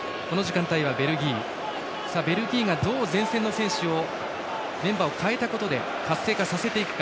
ベルギーが、どう前線の選手のメンバーを代えたことで活性化させていくか。